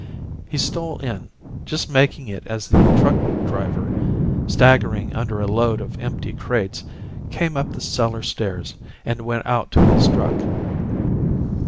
He stole in, just making it as the truck driver, staggering under a load of empty crates, came up the cellar stairs and went out to his truck.